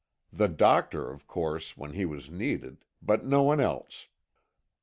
The doctor, of course, when he was needed; but no one else.